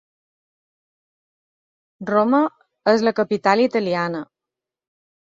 Roma és la capital italiana.